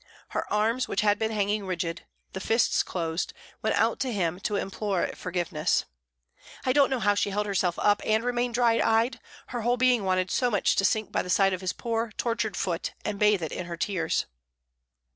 Her arms, which had been hanging rigid, the fists closed, went out to him to implore forgiveness. I don't know how she held herself up and remained dry eyed, her whole being wanted so much to sink by the side of his poor, tortured foot, and bathe it in her tears.